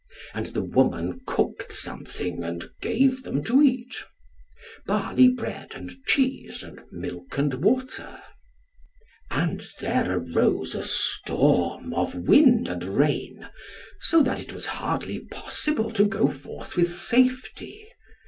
And the woman cooked something and gave them to eat, barley bread, and cheese, and milk and water. And there arose a storm of wind and rain, so that it was hardly possible to go forth with safety.